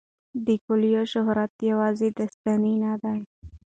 د کویلیو شهرت یوازې داستاني نه دی.